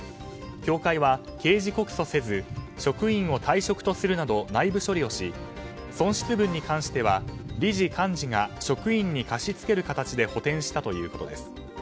協会は刑事告訴せず職員を退職とするなど内部処理をし、損失分に関しては理事、監事が職員に貸し付ける形で補填したということです。